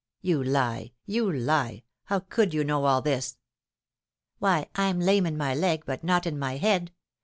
"You lie! you lie! how could you know all this?" "Why, I'm lame in my leg, but not in my head.